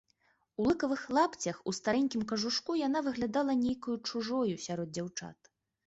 У лыкавых лапцях, у старэнькім кажушку яна выглядала нейкаю чужою сярод дзяўчат.